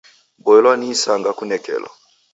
Boilwa ni isanga kunekelo